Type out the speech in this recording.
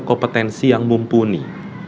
kompetensi yang mumpuni